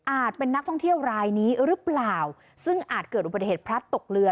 เป็นนักท่องเที่ยวรายนี้หรือเปล่าซึ่งอาจเกิดอุบัติเหตุพลัดตกเรือ